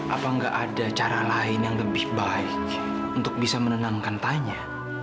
apa nggak ada cara lain yang lebih baik untuk bisa menenangkan tanya